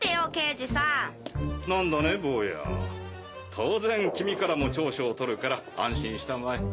当然君からも調書を取るから安心したまえ。